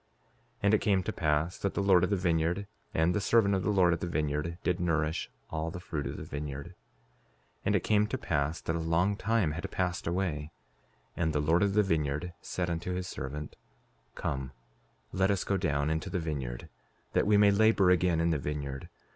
5:28 And it came to pass that the Lord of the vineyard and the servant of the Lord of the vineyard did nourish all the fruit of the vineyard. 5:29 And it came to pass that a long time had passed away, and the Lord of the vineyard said unto his servant: Come, let us go down into the vineyard, that we may labor again in the vineyard.